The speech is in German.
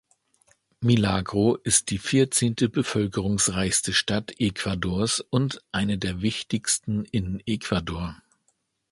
Milagro ist die vierzehnte bevölkerungsreichste Stadt Ecuadors und eine der wichtigsten in Ecuador.